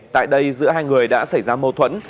tại đây giữa hai người đã xảy ra mâu thuẫn